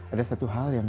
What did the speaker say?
ada satu hal yang